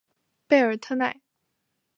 贝尔特奈。